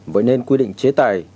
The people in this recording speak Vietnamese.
vậy nên quy định chế tài